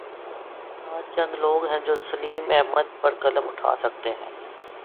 آج چند لوگ ہیں جو سلیم احمد پر قلم اٹھا سکتے ہیں۔